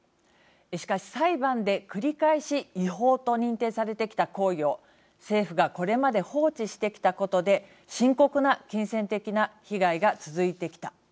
しかし、裁判で繰り返し違法と認定されてきた行為を政府がこれまで放置してきたことで深刻な金銭的な被害が続いてきた。